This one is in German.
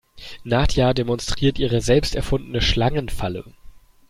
Nadja demonstriert ihre selbst erfundene Schlangenfalle.